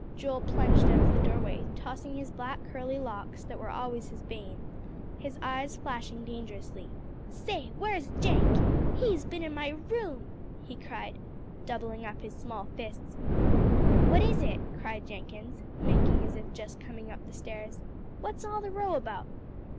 Joel plunged out of the doorway, tossing his black, curly locks, that were always his bane, his eyes flashing dangerously. "Say, where's Jenk? He's been in my room," he cried, doubling up his small fists. "What is it?" cried Jenkins, making as if just coming up the stairs. "What's all the row about?"